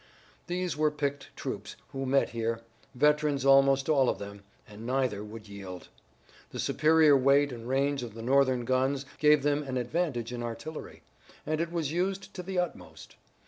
These were picked troops who met here, veterans almost all of them, and neither would yield. The superior weight and range of the Northern guns gave them an advantage in artillery, and it was used to the utmost.